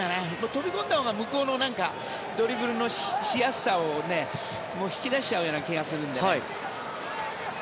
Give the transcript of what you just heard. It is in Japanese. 飛び込んだほうが相手のドリブルのしやすさを引き出しちゃう気がするので。